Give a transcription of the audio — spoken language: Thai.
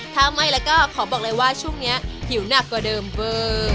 ถ้าไม่แล้วก็ขอบอกเลยว่าช่วงนี้หิวหนักกว่าเดิมเวอร์